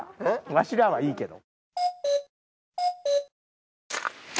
わしらはいいけど。